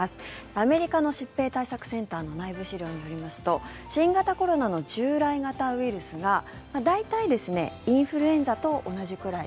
アメリカの疾病対策センターの内部資料によりますと新型コロナの従来型ウイルスが大体、インフルエンザと同じくらい。